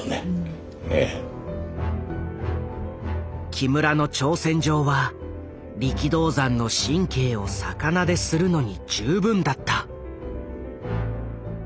木村の挑戦状は力道山の神経を逆なでするのに十分だった。